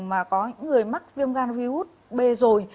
mà có người mắc viêm gan virus b rồi